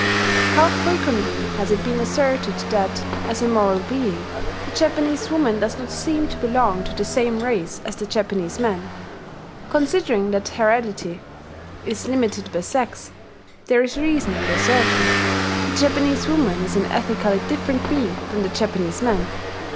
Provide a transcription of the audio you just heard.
How frequently has it been asserted that, as a moral being, the Japanese woman does not seem to belong to the same race as the Japanese man! Considering that heredity is limited by sex, there is reason in the assertion: the Japanese woman is an ethically different being from the Japanese man.